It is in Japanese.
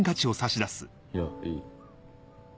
いやいい。